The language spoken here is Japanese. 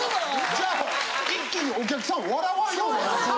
じゃあ一気にお客さん笑わんようになるんです。